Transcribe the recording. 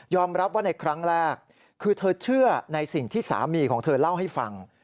รับว่าในครั้งแรกคือเธอเชื่อในสิ่งที่สามีของเธอเล่าให้ฟัง